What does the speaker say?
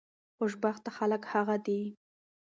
خوشبخته خلک هغه دي